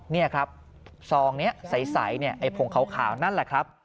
นี่ครับซองนี้ใสเนี่ยไอ้ผงขาวนั่นแหละครับ